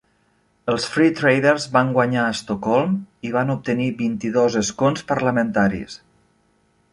Els Free Traders van guanyar a Estocolm i van obtenir vint-i-dos escons parlamentaris.